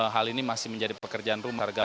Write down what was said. hal ini masih menjadi pekerjaan rumah